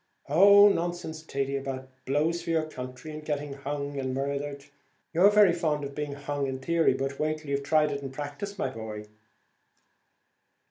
"Oh, nonsense, Thady, about blows for your country, and getting hung and murthered. You're very fond of being hung in theory, but wait till you've tried it in practice, my boy."